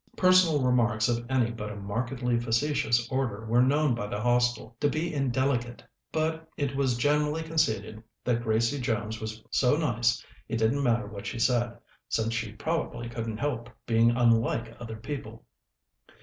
Personal remarks of any but a markedly facetious order were known by the Hostel to be indelicate; but it was generally conceded that Gracie Jones was so nice it didn't matter what she said, since she probably couldn't help being unlike other people.